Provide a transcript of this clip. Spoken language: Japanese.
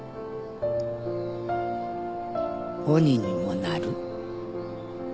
鬼にもなる。